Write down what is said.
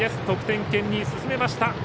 得点圏に進めました。